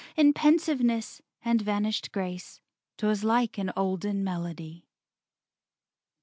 In pensiveness, and vanished grace, 'Twas like an olden melody.